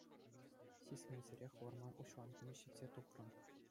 Сисмесӗрех вӑрман уҫланкине ҫитсе тухрӑм.